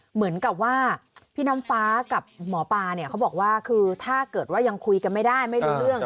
เหมือนกับว่าพี่น้ำฟ้ากับหมอปลาเนี่ยเขาบอกว่าคือถ้าเกิดว่ายังคุยกันไม่ได้ไม่รู้เรื่อง